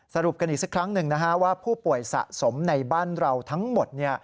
สรุปกันอีกสักครั้งหนึ่งว่าผู้ป่วยสะสมในบ้านเราทั้งหมด